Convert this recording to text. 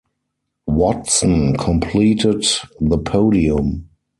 Watson completed the podium.